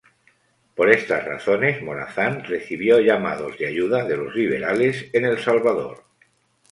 Por estas razones, Morazán recibió llamados de ayuda de los liberales en El Salvador.